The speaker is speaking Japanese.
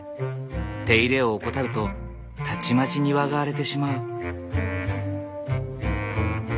手入れを怠るとたちまち庭が荒れてしまう。